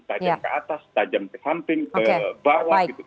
tajam ke atas tajam ke samping ke bawah